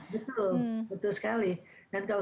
betul betul sekali dan kalau